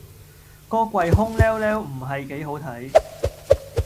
個櫃空豂豂唔係幾好睇